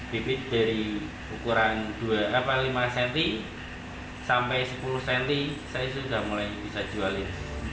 bibit dari ukuran lima cm sampai sepuluh cm saya sudah mulai bisa jualin